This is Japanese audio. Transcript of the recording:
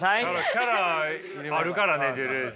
キャラあるからねドゥルーズ